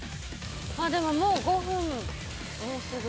でももう５分もうすぐ。